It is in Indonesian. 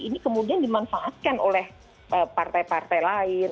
ini kemudian dimanfaatkan oleh partai partai lain